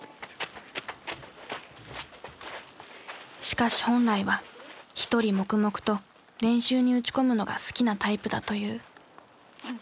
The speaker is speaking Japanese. しかし本来は一人黙々と練習に打ち込むのが好きなタイプだという。